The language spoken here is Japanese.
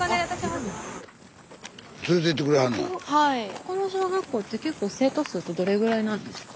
ここの小学校って生徒数ってどれぐらいなんですか？